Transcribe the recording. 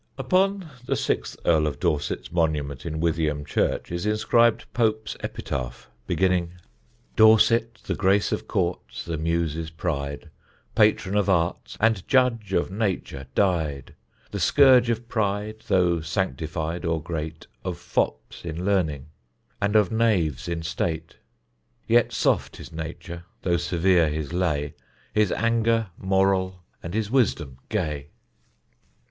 Upon the sixth Earl of Dorset's monument in Withyham Church is inscribed Pope's epitaph, beginning: Dorset, the grace of Courts, the Muses pride, Patron of arts, and judge of nature dy'd! The scourge of pride, though sanctify'd or great, Of fops in learning, and of knaves in state: Yet soft his nature, though severe his lay, His anger moral, and his wisdom gay.